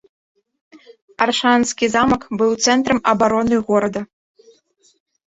Аршанскі замак быў цэнтрам абароны горада.